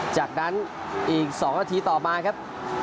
จากนั้นอีกสองหทีต่อมานะครับ